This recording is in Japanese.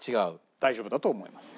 大丈夫だと思います。